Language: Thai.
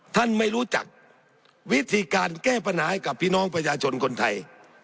ไม่รู้จักวิธีการแก้ปัญหาให้กับพี่น้องประชาชนคนไทย